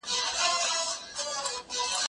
زه اوږده وخت د ښوونځی لپاره تياری کوم!؟